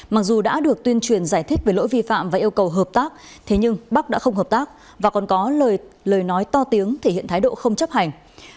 mặc dù đã được tuyên truyền giải thích về lỗi vi phạm và yêu cầu hợp tác thế nhưng bắc đã không hợp tác và còn có lời nói to tiếng thể hiện thái độ không chấp hành